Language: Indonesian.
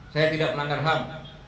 saya tidak melanggar ham